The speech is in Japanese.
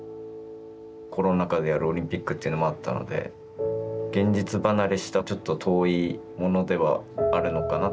コロナ禍でやるオリンピックというのもあったので現実離れしたちょっと遠いものではあるのかな。